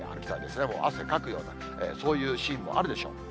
汗かくような、そういうシーンもあるでしょう。